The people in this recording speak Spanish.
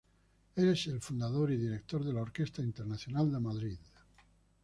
Es el fundador y director de la Orquesta Internacional de Madrid.